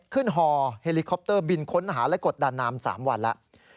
ฮอเฮลิคอปเตอร์บินค้นหาและกดดันนาม๓วันแล้ว